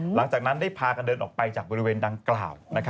หลังจากนั้นได้พากันเดินออกไปจากบริเวณดังกล่าว